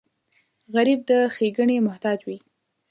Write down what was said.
غریب د ښېګڼې محتاج وي